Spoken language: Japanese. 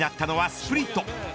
スプリット。